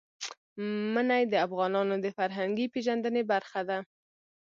منی د افغانانو د فرهنګي پیژندنې برخه ده.